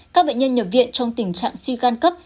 các bệnh nhân nhập viện trong tình trạng suy gan cấp